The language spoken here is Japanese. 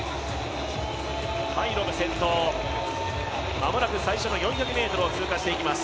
間もなく最初の４００ｍを通過していきます。